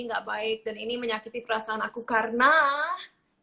ini gak baik dan ini menyakiti perasaan aku karena saya merasa wakil